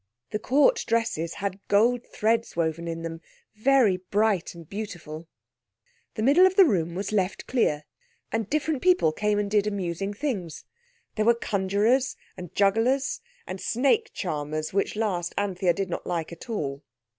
The Court dresses had gold threads woven in them, very bright and beautiful. The middle of the room was left clear, and different people came and did amusing things. There were conjurers and jugglers and snake charmers, which last Anthea did not like at all.